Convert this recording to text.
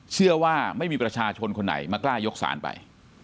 เชื่อว่าไม่มีประชาชนคนไหนมากล้ายกสารไป